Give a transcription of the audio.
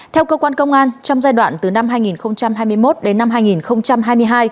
theo cơ quan công an trong giai đoạn từ năm hai nghìn hai mươi một đến năm hai nghìn hai mươi hai